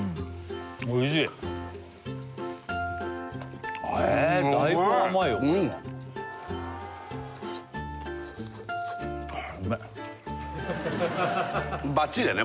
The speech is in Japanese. おいしいうめえバッチリだよね